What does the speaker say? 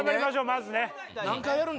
まずね。